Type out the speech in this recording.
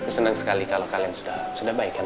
aku juga senang sekali kalau kalian sudah baik kan